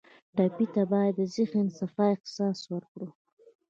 ټپي ته باید د ذهن صفا احساس ورکړو.